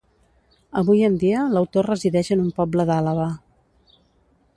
Avui en dia l'autor resideix en un poble d'Àlaba.